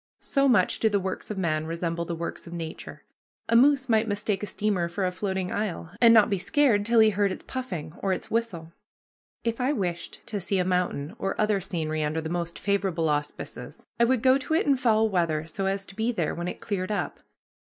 So much do the works of man resemble the works of nature. A moose might mistake a steamer for a floating isle, and not be scared till he heard its puffing or its whistle. If I wished to see a mountain or other scenery under the most favorable auspices, I would go to it in foul weather so as to be there when it cleared up.